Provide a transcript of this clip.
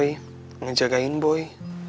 bisa ngeperhatian sama boy